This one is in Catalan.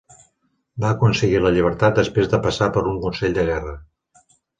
Va aconseguir la llibertat després de passar per un consell de guerra.